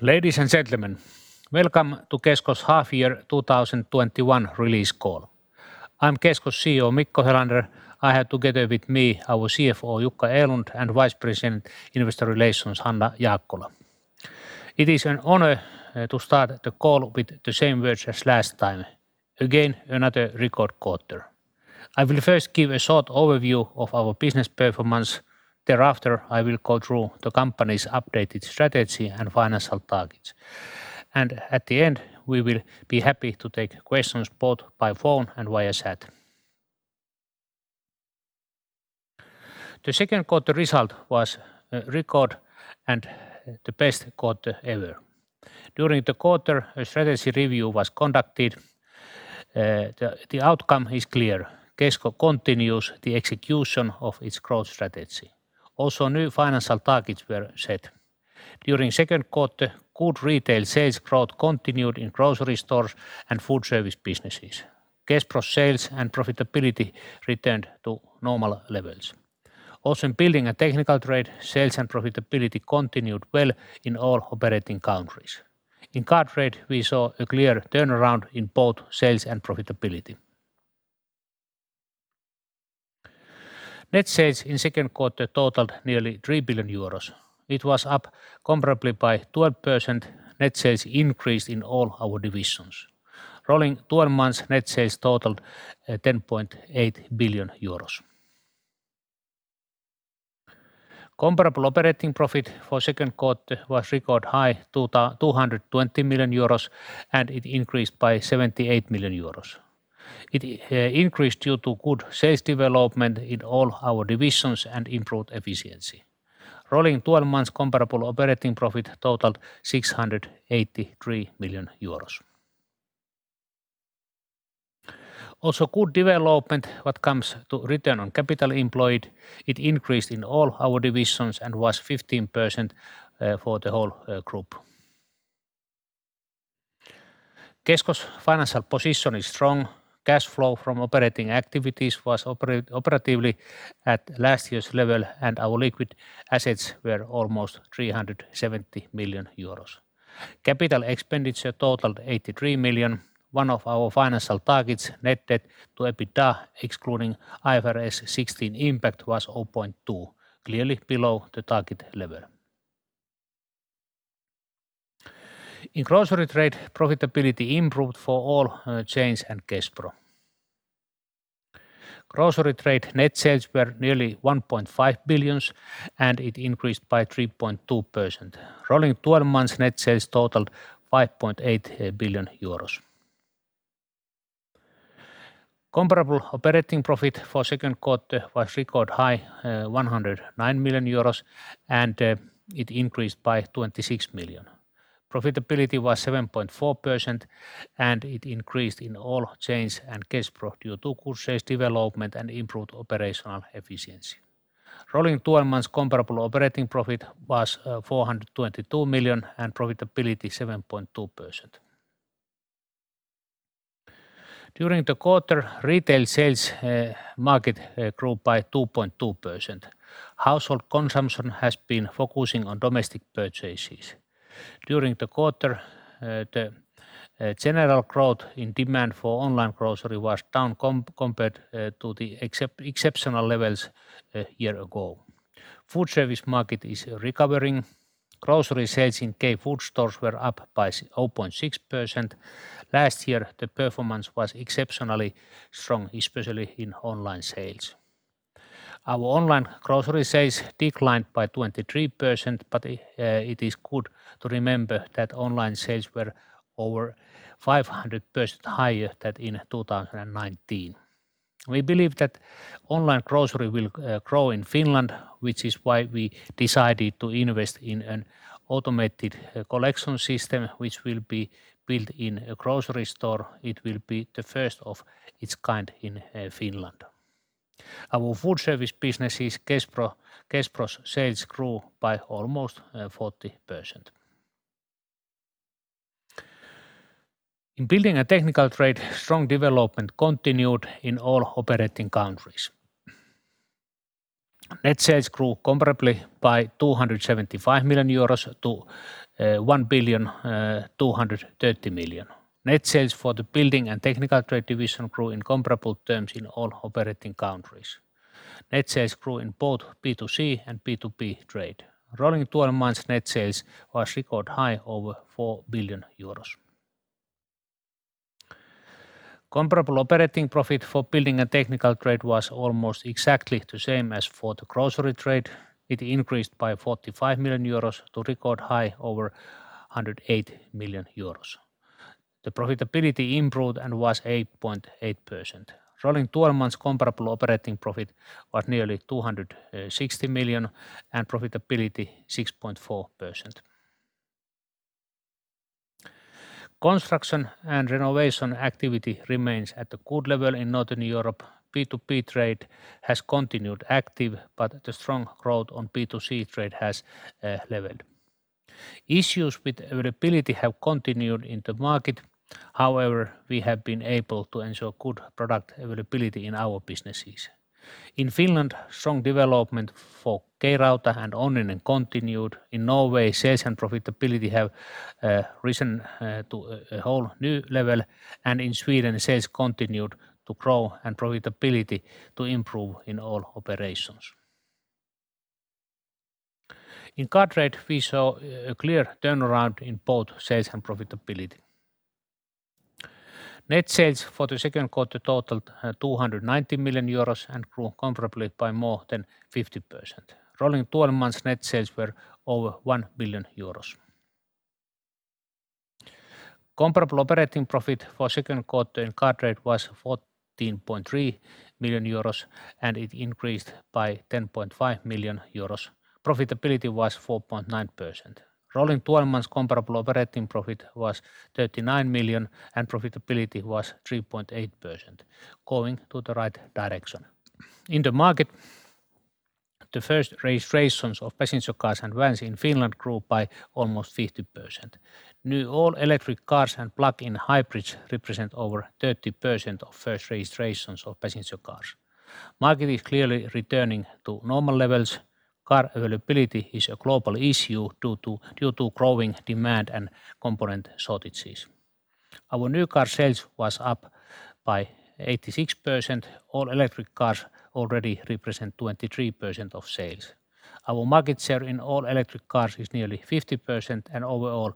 Ladies and gentlemen, welcome to Kesko's half year 2021 release call. I'm Kesko's CEO, Mikko Helander. I have together with me our CFO, Jukka Erlund, and Vice President, Investor Relations, Hanna Jaakkola. It is an honor to start the call with the same words as last time. Again, another record quarter. I will first give a short overview of our business performance. Thereafter, I will go through the company's updated strategy and financial targets. At the end, we will be happy to take questions both by phone and via chat. The second quarter result was a record and the best quarter ever. During the quarter, a strategy review was conducted. The outcome is clear. Kesko continues the execution of its growth strategy. Also, new financial targets were set. During second quarter, good retail sales growth continued in grocery stores and food service businesses. Kespro sales and profitability returned to normal levels. In building and technical trade, sales and profitability continued well in all operating countries. In car trade, we saw a clear turnaround in both sales and profitability. Net sales in second quarter totaled nearly 3 billion euros. It was up comparably by 12%. Net sales increased in all our divisions. Rolling 12 months net sales totaled 10.8 billion euros. Comparable operating profit for second quarter was record high, 220 million euros, and it increased by 78 million euros. It increased due to good sales development in all our divisions and improved efficiency. Rolling 12 months comparable operating profit totaled 683 million euros. Good development what comes to return on capital employed. It increased in all our divisions and was 15% for the whole group. Kesko's financial position is strong. Cash flow from operating activities was operatively at last year's level, and our liquid assets were almost 370 million euros. Capital expenditure totaled 83 million. One of our financial targets, net debt to EBITDA, excluding IFRS 16 impact, was 0.2x, clearly below the target level. In grocery trade, profitability improved for all chains and Kespro. Grocery trade net sales were nearly 1.5 billion, and it increased by 3.2%. Rolling 12 months net sales totaled 5.8 billion euros. Comparable operating profit for second quarter was record high, 109 million euros, and it increased by 26 million. Profitability was 7.4%, and it increased in all chains and Kespro due to good sales development and improved operational efficiency. Rolling 12 months comparable operating profit was 422 million and profitability 7.2%. During the quarter, retail sales market grew by 2.2%. Household consumption has been focusing on domestic purchases. During the quarter, the general growth in demand for online grocery was down compared to the exceptional levels a year ago. Food service market is recovering. Grocery sales in K-food stores were up by 0.6%. Last year, the performance was exceptionally strong, especially in online sales. Our online grocery sales declined by 23%, but it is good to remember that online sales were over 500% higher than in 2019. We believe that online grocery will grow in Finland, which is why we decided to invest in an automated collection system, which will be built in a grocery store. It will be the first of its kind in Finland. Our food service business is Kespro. Kespro's sales grew by almost 40%. In building and technical trade, strong development continued in all operating countries. Net sales grew comparably by 275 million euros to 1.23 billion. Net sales for the building and technical trade division grew in comparable terms in all operating countries. Net sales grew in both B2C and B2B trade. Rolling 12 months net sales was record high over 4 billion euros. Comparable operating profit for building and technical trade was almost exactly the same as for the grocery trade. It increased by 45 million euros to record high over 108 million euros. The profitability improved and was 8.8%. Rolling 12 months comparable operating profit was nearly 260 million and profitability 6.4%. Construction and renovation activity remains at a good level in Northern Europe. B2B trade has continued active, but the strong growth on B2C trade has leveled. Issues with availability have continued in the market. However, we have been able to ensure good product availability in our businesses. In Finland, strong development for K-Rauta and Onninen continued. In Norway, sales and profitability have risen to a whole new level. In Sweden, sales continued to grow and profitability to improve in all operations. In car trade, we saw a clear turnaround in both sales and profitability. Net sales for the second quarter totaled 290 million euros and grew comparably by more than 50%. Rolling 12 months net sales were over 1 billion euros. Comparable operating profit for second quarter in car trade was 14.3 million euros. It increased by 10.5 million euros. Profitability was 4.9%. Rolling 12 months comparable operating profit was 39 million. Profitability was 3.8%, going to the right direction. In the market, the first registrations of passenger cars and vans in Finland grew by almost 50%. Now, all-electric cars and plug-in hybrids represent over 30% of first registrations of passenger cars. Market is clearly returning to normal levels. Car availability is a global issue due to growing demand and component shortages. Our new car sales was up by 86%. All-electric cars already represent 23% of sales. Our market share in all-electric cars is nearly 50%, and overall,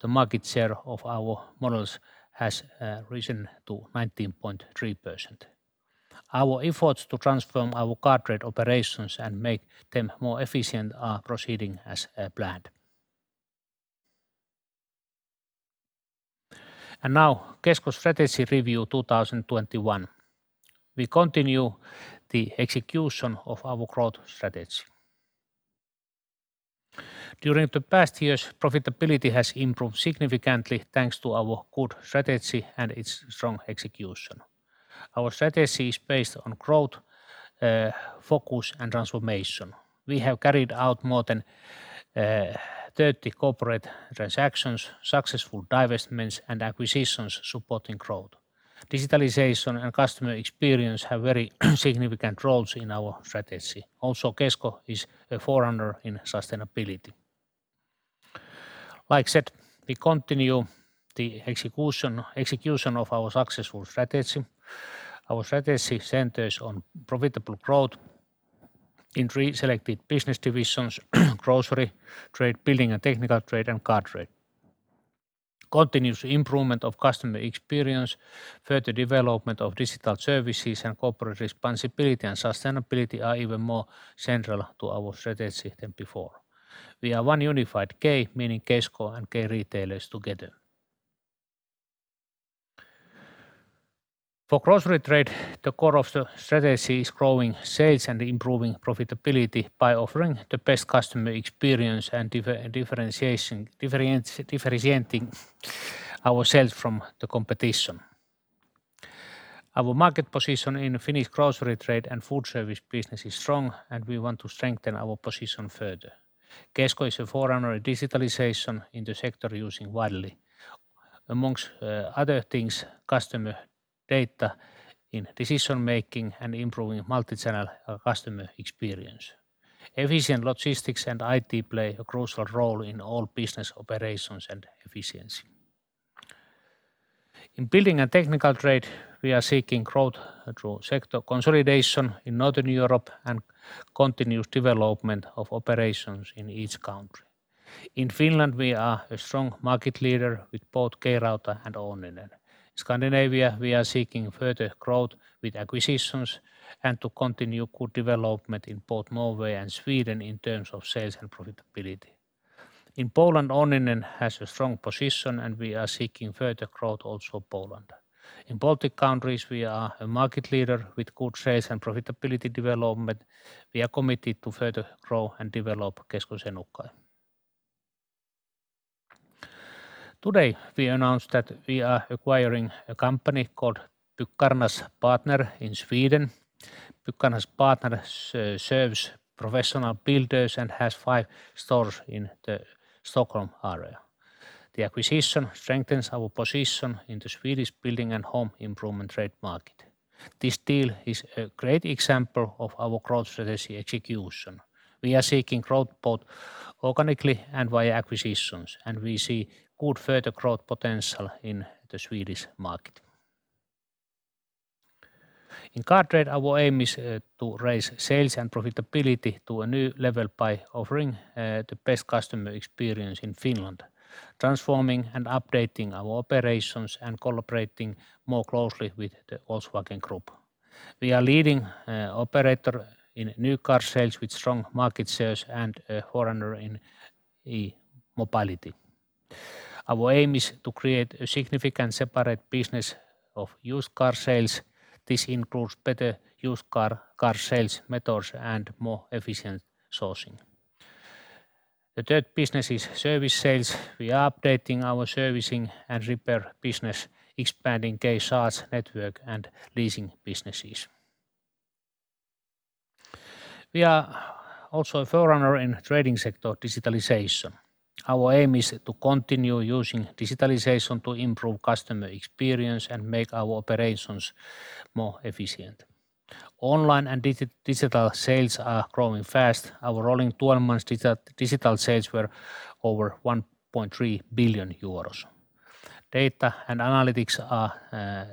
the market share of our models has risen to 19.3%. Our efforts to transform our car trade operations and make them more efficient are proceeding as planned. Now, Kesko strategy review 2021. We continue the execution of our growth strategy. During the past years, profitability has improved significantly, thanks to our good strategy and its strong execution. Our strategy is based on growth, focus, and transformation. We have carried out more than 30 corporate transactions, successful divestments, and acquisitions supporting growth. Digitalization and customer experience have very significant roles in our strategy. Also, Kesko is a forerunner in sustainability. Like I said, we continue the execution of our successful strategy. Our strategy centers on profitable growth in three selected business divisions, Grocery trade, building and technical trade, and car trade. Continuous improvement of customer experience, further development of digital services and corporate responsibility and sustainability are even more central to our strategy than before. We are one unified K, meaning Kesko and K-retailers together. For grocery trade, the core of the strategy is growing sales and improving profitability by offering the best customer experience and differentiating ourselves from the competition. Our market position in Finnish grocery trade and food service business is strong, and we want to strengthen our position further. Kesko is a forerunner in digitalization in the sector, using widely, amongst other things, customer data in decision-making and improving multi-channel customer experience. Efficient logistics and IT play a crucial role in all business operations and efficiency. In building and technical trade, we are seeking growth through sector consolidation in Northern Europe and continuous development of operations in each country. In Finland, we are a strong market leader with both K-Rauta and Onninen. In Scandinavia, we are seeking further growth with acquisitions and to continue good development in both Norway and Sweden in terms of sales and profitability. In Poland, Onninen has a strong position, and we are seeking further growth also Poland. In Baltic countries, we are a market leader with good sales and profitability development. We are committed to further grow and develop Kesko Senukai. Today, we announced that we are acquiring a company called Byggarnas Partner in Sweden. Byggarnas Partner serves professional builders and has five stores in the Stockholm area. The acquisition strengthens our position in the Swedish building and home improvement trade market. This deal is a great example of our growth strategy execution. We are seeking growth both organically and via acquisitions, and we see good further growth potential in the Swedish market. In car trade, our aim is to raise sales and profitability to a new level by offering the best customer experience in Finland, transforming and updating our operations, and collaborating more closely with the Volkswagen Group. We are leading operator in new car sales with strong market shares and a forerunner in E-mobility. Our aim is to create a significant separate business of used car sales. This includes better used car sales methods and more efficient sourcing. The third business is service sales. We are updating our servicing and repair business, expanding K-Lataus network and leasing businesses. We are also a forerunner in trading sector digitalization. Our aim is to continue using digitalization to improve customer experience and make our operations more efficient. Online and digital sales are growing fast. Our rolling 12 months digital sales were over 1.3 billion euros. Data and analytics are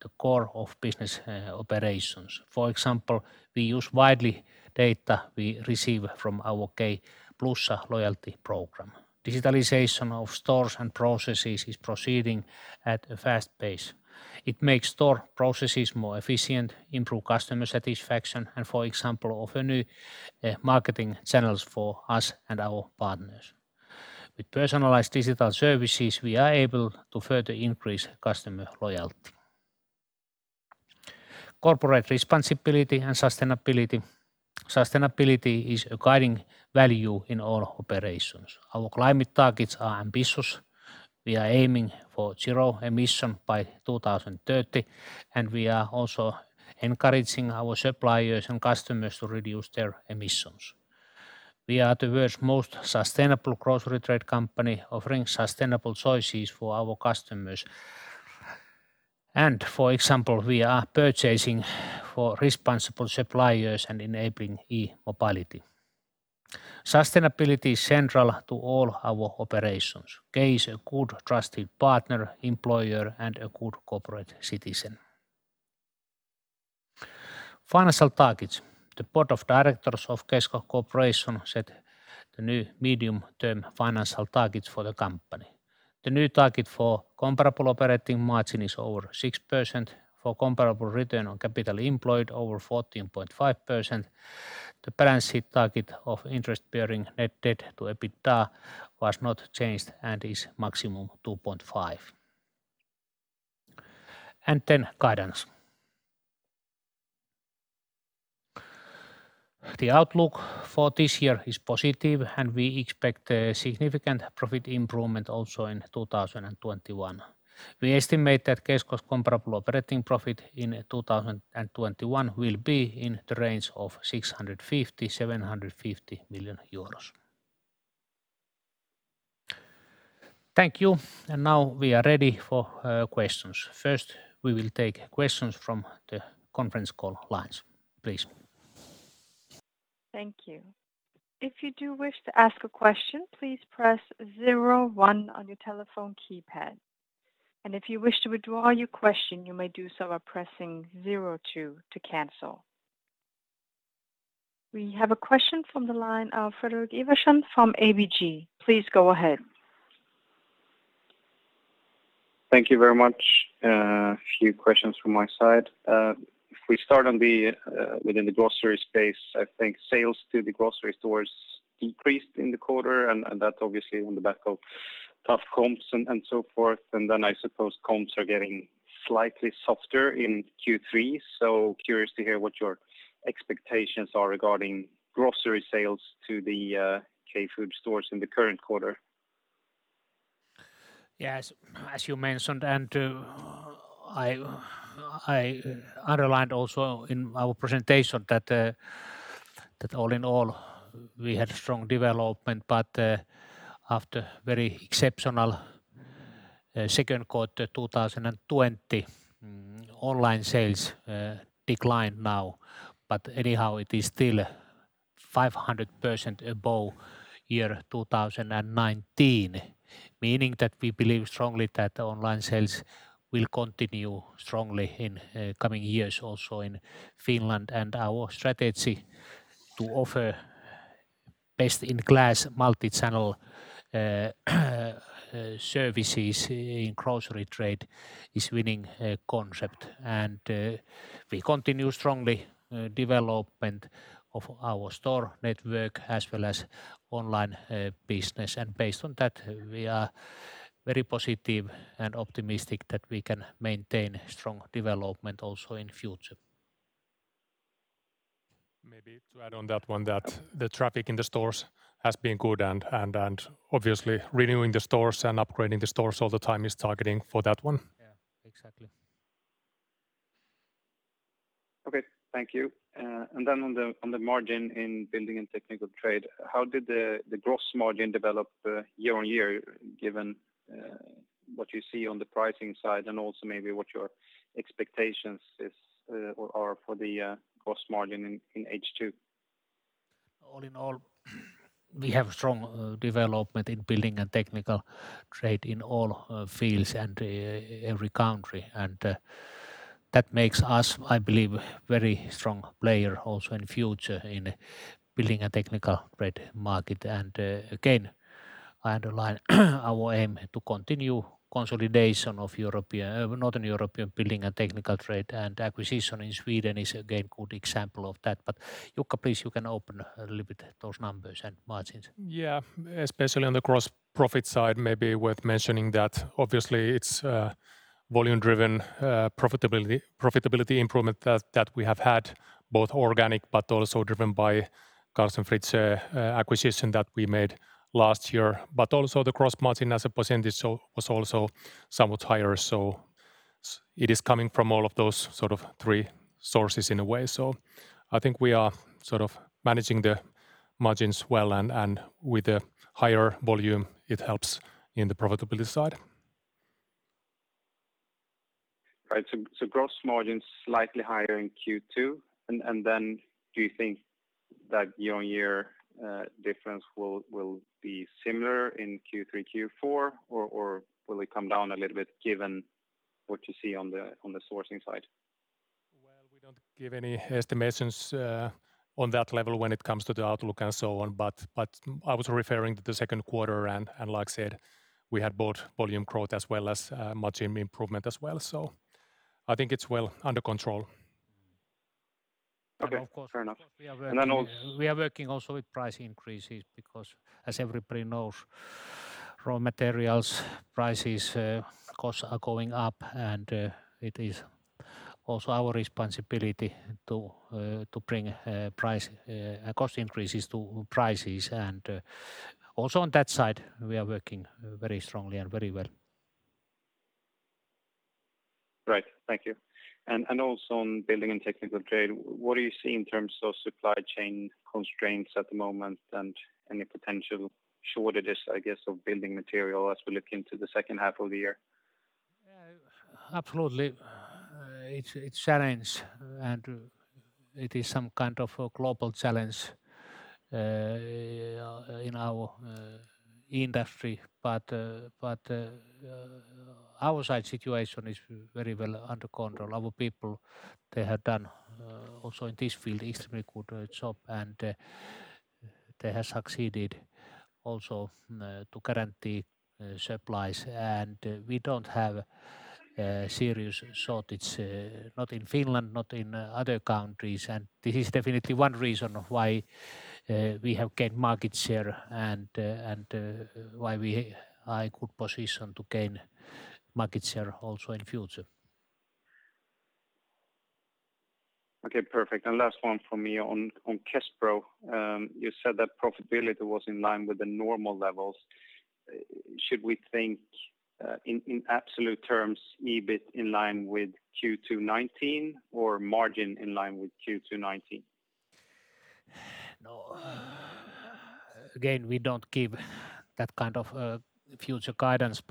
the core of business operations. For example, we use widely data we receive from our K-Plussa loyalty program. Digitalization of stores and processes is proceeding at a fast pace. It makes store processes more efficient, improve customer satisfaction, and for example, offer new marketing channels for us and our partners. With personalized digital services, we are able to further increase customer loyalty. Corporate responsibility and sustainability. Sustainability is a guiding value in all operations. Our climate targets are ambitious. We are aiming for zero emission by 2030, and we are also encouraging our suppliers and customers to reduce their emissions. We are the world's most sustainable grocery trade company, offering sustainable choices for our customers. For example, we are purchasing for responsible suppliers and enabling E-mobility. Sustainability is central to all our operations. K is a good, trusted partner, employer, and a good corporate citizen. Financial targets. The board of directors of Kesko Corporation set the new medium-term financial targets for the company. The new target for comparable operating margin is over 6%. For comparable return on capital employed, over 14.5%. The balance sheet target of interest bearing net debt to EBITDA was not changed and is maximum 2.5x. Guidance. The outlook for this year is positive, and we expect a significant profit improvement also in 2021. We estimate that Kesko's comparable operating profit in 2021 will be in the range of 650 million-750 million euros. Thank you. Now we are ready for questions. First, we will take questions from the conference call lines, please. Thank you. If you do wish to ask a question, please press zero one on your telephone keypad. If you wish to withdraw your question, you may do so by pressing zero two to cancel. We have a question from the line of Fredrik Ivarsson from ABG. Please go ahead. Thank you very much. A few questions from my side. If we start within the grocery space, I think sales to the grocery stores decreased in the quarter, and that's obviously on the back of tough comps and so forth. I suppose comps are getting slightly softer in Q3. Curious to hear what your expectations are regarding grocery sales to the K food stores in the current quarter. Yes, as you mentioned, I underlined also in our presentation that all in all, we had strong development, but after very exceptional second quarter 2020, online sales declined now. Anyhow, it is still 500% above year 2019. Meaning that we believe strongly that online sales will continue strongly in coming years also in Finland. Our strategy to offer best-in-class multichannel services in grocery trade is winning concept. We continue strongly development of our store network as well as online business. Based on that, we are very positive and optimistic that we can maintain strong development also in future. Maybe to add on that one, that the traffic in the stores has been good and obviously renewing the stores and upgrading the stores all the time is targeting for that one. Yeah, exactly. Okay. Thank you. Then on the margin in building and technical trade, how did the gross margin develop year-on-year, given what you see on the pricing side and also maybe what your expectations are for the gross margin in H2? All in all, we have strong development in building and technical trade in all fields and every country. That makes us, I believe, very strong player also in future in building and technical trade market. Again, I underline our aim to continue consolidation of Northern European building and technical trade, and acquisition in Sweden is again good example of that. Jukka, please, you can open a little bit those numbers and margins. Yeah. Especially on the gross profit side, maybe worth mentioning that obviously it's volume driven profitability improvement that we have had, both organic but also driven by Carlsen Fritzøe Handel acquisition that we made last year. Also the gross margin as a percentage was also somewhat higher. It is coming from all of those three sources in a way. I think we are sort of managing the margins well and with a higher volume, it helps in the profitability side. Right. Gross margins slightly higher in Q2. Do you think that year-on-year difference will be similar in Q3, Q4 or will it come down a little bit given what you see on the sourcing side? Well, we don't give any estimations on that level when it comes to the outlook and so on. I was referring to the second quarter and like I said, we had both volume growth as well as margin improvement as well. I think it's well under control. Okay, fair enough. And of course- And then- We are working also with price increases because as everybody knows, raw materials prices, costs are going up and it is also our responsibility to bring cost increases to prices. Also on that side, we are working very strongly and very well. Right. Thank you. Also on building and technical trade, what do you see in terms of supply chain constraints at the moment and any potential shortages, I guess, of building material as we look into the second half of the year? Yeah, absolutely. It's a challenge, and it is some kind of a global challenge in our industry. Our side situation is very well under control. Our people, they have done also in this field extremely good job and they have succeeded also to guarantee supplies. We don't have serious shortage, not in Finland, not in other countries. This is definitely one reason why we have gained market share and why we are in a good position to gain market share also in future. Okay, perfect. Last one from me on Kespro. You said that profitability was in line with the normal levels. Should we think in absolute terms, EBIT in line with Q2 2019, or margin in line with Q2 2019? No. Again, we don't give that kind of future guidance.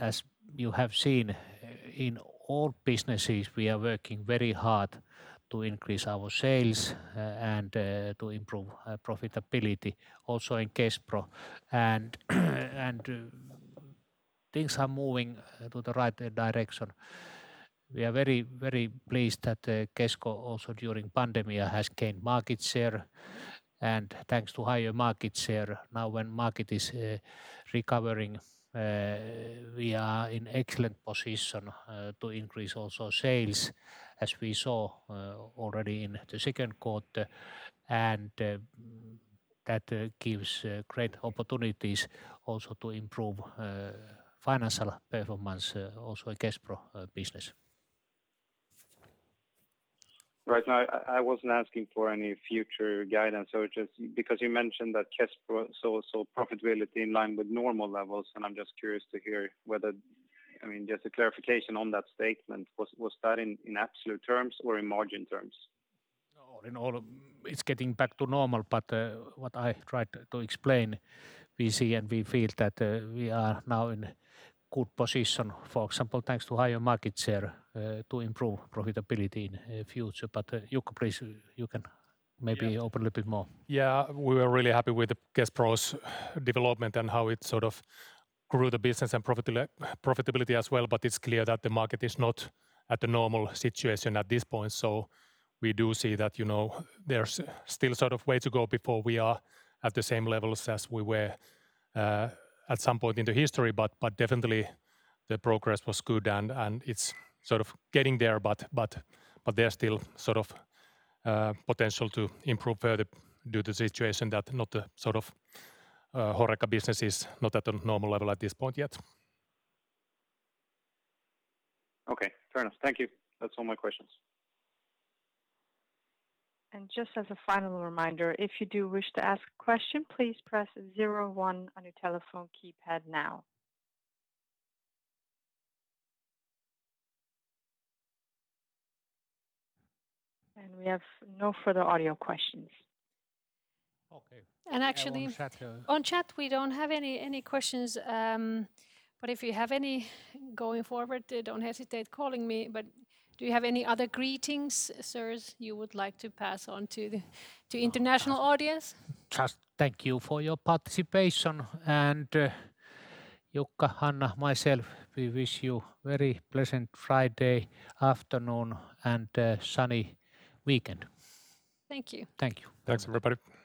As you have seen in all businesses, we are working very hard to increase our sales and to improve profitability also in Kespro. Things are moving to the right direction. We are very, very pleased that Kesko also during pandemic has gained market share. Thanks to higher market share, now when market is recovering we are in excellent position to increase also sales as we saw already in the second quarter. That gives great opportunities also to improve financial performance also in Kespro business. Right. No, I wasn't asking for any future guidance. Just because you mentioned that Kespro saw profitability in line with normal levels and I'm just curious to hear. Just a clarification on that statement, was that in absolute terms or in margin terms? No, in all It's getting back to normal, what I tried to explain, we see and we feel that we are now in a good position, for example, thanks to higher market share to improve profitability in future. Jukka please, you can maybe open a little bit more. Yeah. We were really happy with Kespro's development and how it sort of grew the business and profitability as well, but it's clear that the market is not at the normal situation at this point. We do see that there's still sort of way to go before we are at the same levels as we were at some point in the history, but definitely the progress was good and it's sort of getting there, but there's still potential to improve further due to situation that not the sort of HoReCa business is not at a normal level at this point yet. Okay, fair enough. Thank you. That's all my questions. Just as a final reminder, if you do wish to ask a question, please press 01 on your telephone keypad now. We have no further audio questions. Okay. And actually- On chat- On chat, we don't have any questions. If you have any going forward, don't hesitate calling me. Do you have any other greetings, sirs, you would like to pass on to international audience? Just thank you for your participation. Jukka, Hanna, myself, we wish you very pleasant Friday afternoon and a sunny weekend. Thank you. Thank you. Thanks everybody.